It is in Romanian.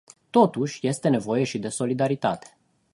Totuși, este nevoie și de solidaritate.